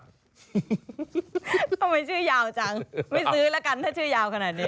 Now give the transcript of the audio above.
ทำไมชื่อยาวจังไม่ซื้อแล้วกันถ้าชื่อยาวขนาดนี้